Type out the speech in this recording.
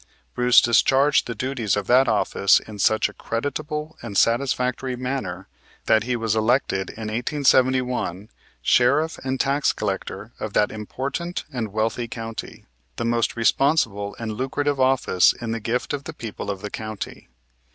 Bruce discharged the duties of that office in such a creditable and satisfactory manner that he was elected in 1871 Sheriff and Tax Collector of that important and wealthy county, the most responsible and lucrative office in the gift of the people of the county.